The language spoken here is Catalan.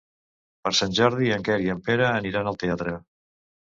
Per Sant Jordi en Quer i en Pere aniran al teatre.